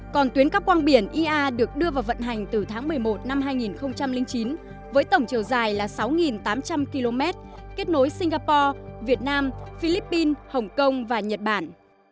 còn tuyến cắp quang biển ia được đưa vào vận hành từ tháng một mươi một năm hai nghìn chín với tổng chiều dài là sáu tám trăm linh km kết nối singapore việt nam philippines hồng kông và nhật bản